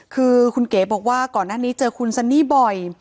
คือคุณเก๋บอกว่าก่อนหน้านี้เจอคุณซันนี่บ่อย